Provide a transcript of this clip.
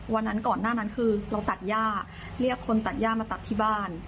วันนั้นก่อนหน้านั้นคือเราตัดย่าเรียกคนตัดย่ามาตัดที่บ้าน